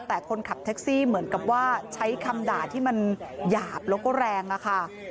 แต่คนขับแท็กซี่เหมือนกับว่าใช้คำด่าที่มันหยาบแล้วก็แรงอะค่ะ